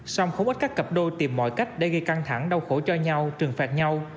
song không ít các cặp đôi tìm mọi cách để gây căng thẳng đau khổ cho nhau trừng phạt nhau